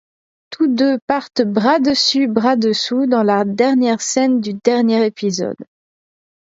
Tous deux partent bras dessus bras dessous dans la dernière scène du dernier épisode.